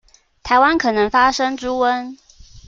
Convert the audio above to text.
臺灣可能發生豬瘟